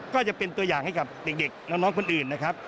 ก็จะเป็นตัวอย่างให้กับเด็กน้องคนอื่นนะครับ